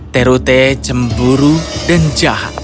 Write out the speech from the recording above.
terute cemburu dan jahat